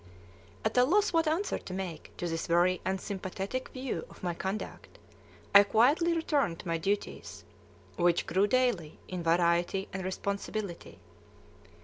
At a loss what answer to make to this very unsympathetic view of my conduct, I quietly returned to my duties, which, grew daily in variety and responsibility.